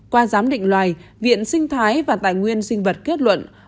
qua giám định loài viện sinh thái và tài nguyên sinh vật kết luận